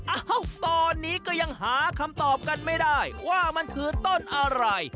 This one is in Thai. เอ้าตอนนี้ก็ยังหาคำตอบกันไม่ได้ว่ามันคือต้นอะไร